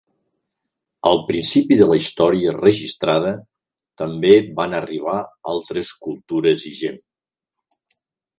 Al principi de la història registrada, també van arribar altres cultures i gent.